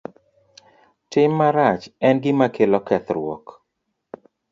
Tim marach en gima kelo kethruok.